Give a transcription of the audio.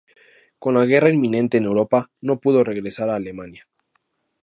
Con la guerra inminente en Europa, no pudo regresar a Alemania.